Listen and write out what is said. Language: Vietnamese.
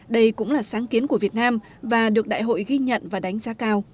đây cũng là sáng kiến của việt nam và được đại hội ghi nhận và đánh giá cao